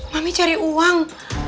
mami cari uang